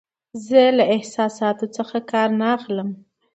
زه له احساساتو څخه کار نه اخلم.